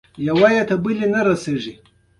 د اعصابو د روغتیا لپاره باید څنګه اوسم؟